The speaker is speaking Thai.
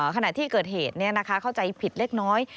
ขณะที่เกิดเหตุเข้าใจผิดเล็กน้อย